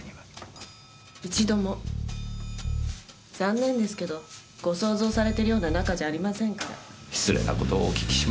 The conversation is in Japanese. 残念ですけどご想像されてるような仲じゃありませんから。失礼な事をお訊きしました。